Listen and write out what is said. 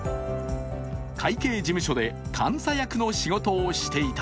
会計事務所で監査役の仕事をしていた。